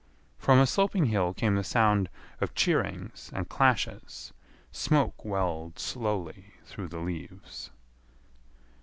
From a sloping hill came the sound of cheerings and clashes. Smoke welled slowly through the leaves.